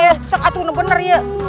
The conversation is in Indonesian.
sekarang atuh ini bener